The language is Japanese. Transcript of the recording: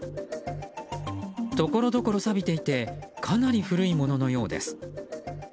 ところどころ錆びていてかなり古いもののようです。